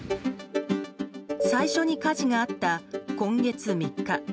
最初に火事があった今月３日。